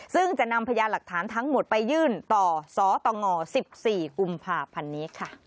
ซึ่งจะนำพยานหลักฐานทั้งหมดไปยื่นต่อสตง๑๔กุมภาพันธ์นี้ค่ะ